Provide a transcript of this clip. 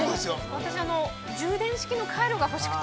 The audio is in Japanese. ◆私、充電式のカイロが欲しくて。